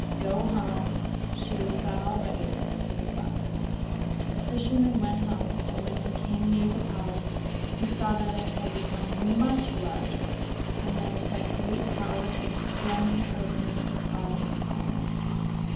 'Go home; she is that already,' said the flounder. The fisherman went home, and when he came near the palace he saw that it had become much larger, and that it had great towers and splendid ornamental carving on it.